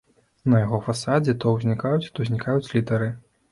На яго фасадзе то ўзнікаюць, то знікаюць літары.